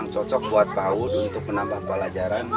cocok buat pak wud untuk menambah pelajaran